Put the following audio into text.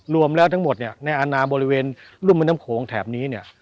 รวมแล้วทั้งหมดเนี่ยในอาณาบริเวณรุ่มแม่น้ำโขงแถบนี้เนี่ย